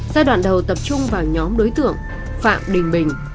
giai đoạn đầu tập trung vào nhóm đối tượng phạm đình bình